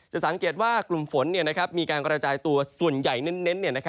สังเกตว่ากลุ่มฝนมีการกระจายตัวส่วนใหญ่เน้น